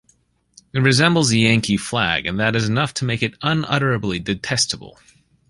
It resembles the Yankee flag and that is enough to make it unutterably detestable.